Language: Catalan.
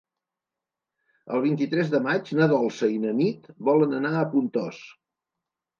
El vint-i-tres de maig na Dolça i na Nit volen anar a Pontós.